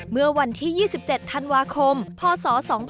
เมื่อวันที่๒๗ธันวาคมพศ๒๕๖๒